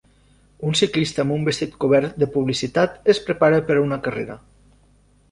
Un ciclista amb un vestit cobert de publicitat es prepara per a una carrera